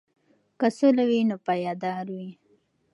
که سوله وي نو پایدار وي.